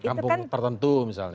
kampung tertentu misalnya